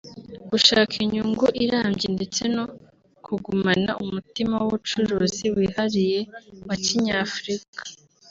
gushaka inyungu irambye ndetse no kugumana umutima w’ ubucuruzi wihariye wa Kinyafurika